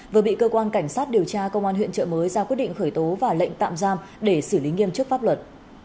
vừa bị cơ quan cảnh sát điều tra công an huyện trợ mới ra quyết định khởi tố và lệnh tạm giam để xử lý nghiêm chức pháp luật